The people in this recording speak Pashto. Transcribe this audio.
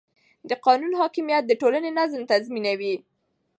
د قانون حاکمیت د ټولنې نظم تضمینوي